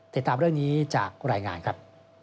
ติดตามเรื่องนี้จากรายงานครับ